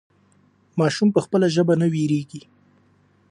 ماشوم په خپله ژبه نه وېرېږي.